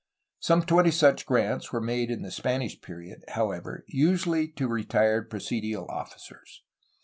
Some twenty such grants were made in the Spanish period, however, usually to retired presidial officers.